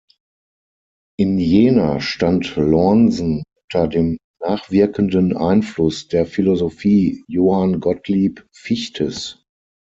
In Jena stand Lornsen unter dem nachwirkenden Einfluss der Philosophie Johann Gottlieb Fichtes.